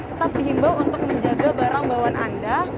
tetap dihimbau untuk menjaga barang bawaan anda